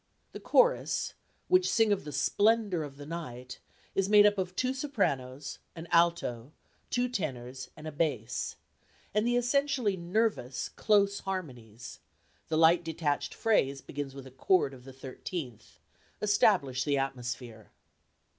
The chorus, which sing of the splendour of the night, is made up of two sopranos, an alto, two tenors, and a bass; and the essentially nervous, close harmonies the light detached phrase begins with a chord of the 13th establish the atmosphere.